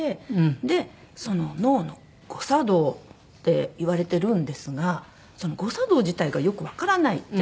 で脳の誤作動っていわれてるんですがその誤作動自体がよくわからないじゃないですか。